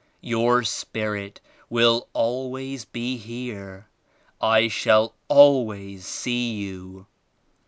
Your spirit will always be here. I shall always see you.